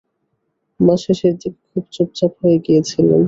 মা শেষের দিকে খুব চুপচাপ হয়ে গিয়েছিলেন।